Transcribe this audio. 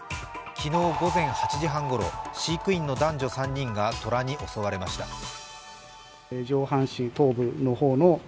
昨日午前８時半ごろ飼育員の男女３人が虎に襲われました。